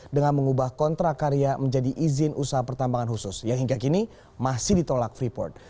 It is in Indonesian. dengan mengubah kontrak karya menjadi izin usaha pertambangan khusus yang hingga kini masih ditolak freeport